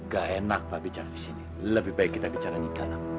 gak enak pak bicara di sini lebih baik kita bicaranya di dalam